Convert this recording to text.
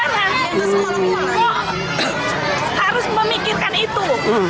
bupati harus memikirkan itu